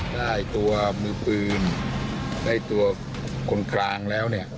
ได้ตัวมือปืนได้ตัวคนกลางแล้วเนี่ย